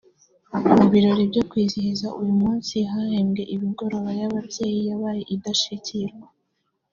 Mu birori byo kwizihiza uyu munsi hahembwe imigoroba y’ababyeyi yabaye indashyikirwa